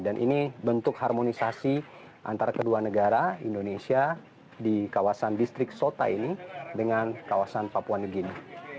dan ini bentuk harmonisasi antara kedua negara indonesia di kawasan distrik sota ini dengan kawasan papua nugini